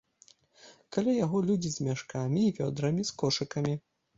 Каля яго людзі з мяшкамі і вёдрамі, з кошыкамі.